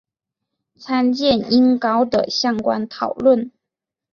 参见音高的相关讨论。